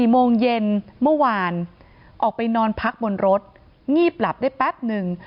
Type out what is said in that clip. โมงเย็นเมื่อวานออกไปนอนพักบนรถงีบหลับได้แป๊บหนึ่ง